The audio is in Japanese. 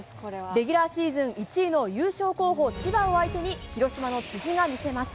レギュラーシーズン１位の優勝候補、千葉を相手に広島の辻が見せます。